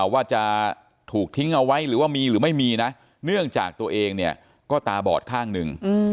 ว่าจะถูกทิ้งเอาไว้หรือว่ามีหรือไม่มีนะเนื่องจากตัวเองเนี่ยก็ตาบอดข้างหนึ่ง